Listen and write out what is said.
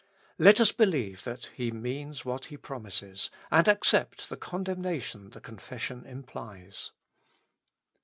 Let us believe that He means what He promises, and accept the condemnation the con fession implies.